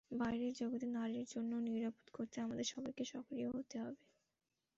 বাইরের জগৎ নারীর জন্য নিরাপদ করতে আমাদের সবাইকে সক্রিয় হতে হবে।